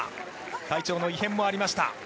体調の異変もありました。